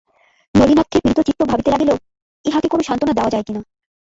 নলিনাক্ষের পীড়িত চিত্ত ভাবিতে লাগিল, ইহাকে কোনো সান্ত্বনা দেওয়া যায় কি না।